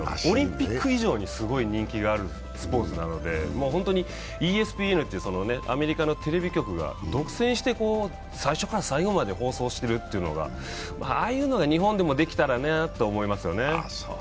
オリンピック以上にすごい人気があるスポーツなので、ＥＳＰＮというアメリカのテレビ局が独占して最初から最後まで放送してるっていうのが、ああいうのが日本でもできたらって思いますよね。